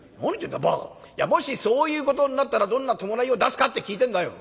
いやもしそういうことになったらどんな葬式を出すかって聞いてんだよ」。